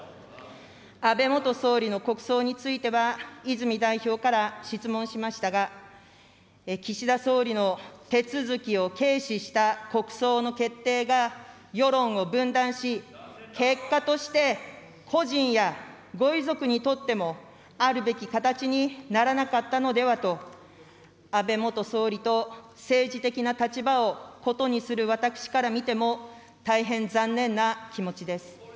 安倍元総理の国葬については、泉代表から質問しましたが、岸田総理の手続きを軽視した国葬の決定が、世論を分断し、結果として、故人やご遺族にとっても、あるべき形にならなかったのではと、安倍元総理と政治的な立場を異にする私から見ても、大変残念な気持ちです。